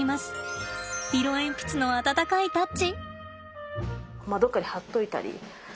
色鉛筆の温かいタッチ。